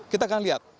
kita akan lihat